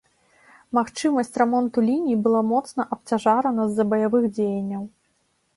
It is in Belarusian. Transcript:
Магчымасць рамонту ліній была моцна абцяжарана з-за баявых дзеянняў.